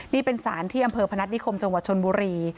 นี่เป็นศาลที่อำเภอพนัฐนิคมจังหวัดชนบุรี